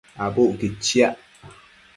Abucquid chiac